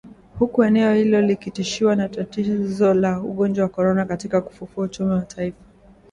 Huku eneo hilo likiendelea kutikiswa na tatizo la ugonjwa wa Corona katika kufufua uchumi wa taifa.